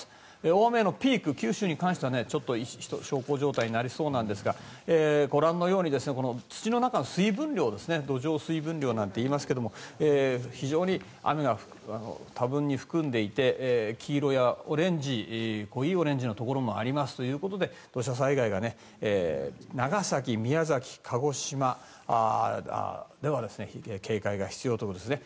大雨のピーク、九州に関しては小康状態になりそうですがご覧のように土の中の水分量土壌水分量なんて言いますが非常に雨を多分に含んでいて黄色やオレンジ濃いオレンジのところもありますということで土砂災害が長崎、宮崎、鹿児島では警戒が必要ということですね。